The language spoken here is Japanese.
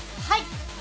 はい。